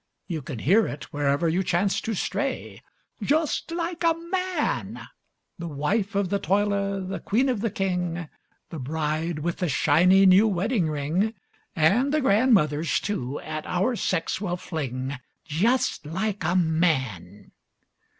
You can hear it wherever you chance to stray: "Just like a man!" The wife of the toiler, the queen of the king, The bride with the shiny new wedding ring And the grandmothers, too, at our sex will fling, "Just like a man!"